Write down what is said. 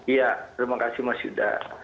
iya terima kasih mas yuda